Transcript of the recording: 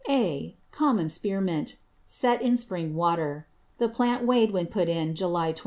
(A.) Common Spear Mint, set in Spring Water. The Planted weighed when put in, July 20.